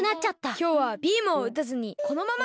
きょうはビームをうたずにこのまま。